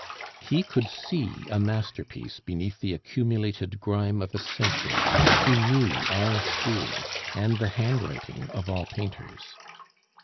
He could see a masterpiece beneath the accumulated grime of a century; he knew all schools, and the handwriting of all painters.